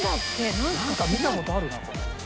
なんか見た事あるなこれ。